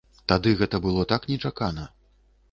Тады гэта было так нечакана.